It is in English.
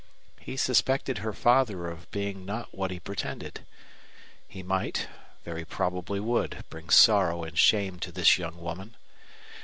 He suspected her father of being not what he pretended. He might, very probably would, bring sorrow and shame to this young woman.